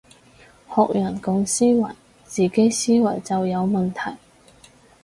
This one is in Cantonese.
學人講思維，自己思維就有問題